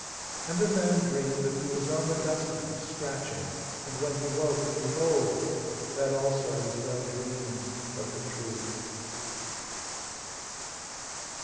And the man dreamed that he was on the dust heap, scratching. And when he woke, behold! that also was no dream, but the truth.